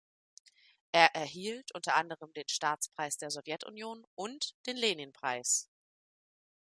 Er erhielt unter anderem den Staatspreis der Sowjetunion und den Leninpreis.